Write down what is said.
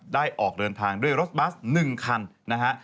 ออกเดินทางด้วยรถบัส๑คันนะฮะ